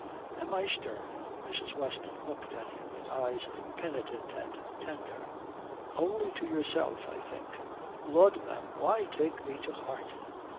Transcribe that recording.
"Am I stern?" Mrs. Weston looked at him with eyes penitent and tender. "Only to yourself, I think. Lud, ma'am, why take me to heart?"